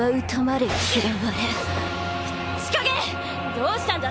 どうしたんだ？